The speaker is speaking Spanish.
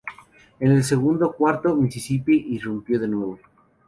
En el segundo cuarto, Mississippi irrumpió de nuevo.